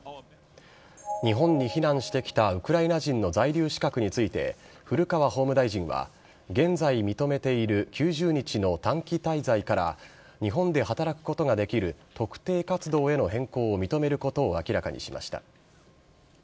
日本に避難してきたウクライナ人の在留資格について、古川法務大臣は、現在認めている９０日の短期滞在から日本で働くことができる特定活動への変更を認めることを明らかにしました。